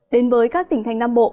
đến với các tỉnh thành nam bộ